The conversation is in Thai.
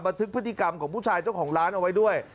ทึกพฤติกรรมของผู้ชายเจ้าของร้านเอาไว้ด้วย